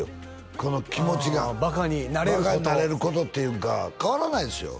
この気持ちがああバカになれることバカになれることっていうんか変わらないですよ